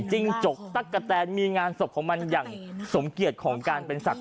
จิ้งจกตั๊กกะแตนมีงานศพของมันอย่างสมเกียจของการเป็นศักดิ์